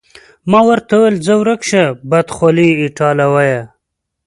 ما ورته وویل: ځه ورک شه، بدخولې ایټالویه.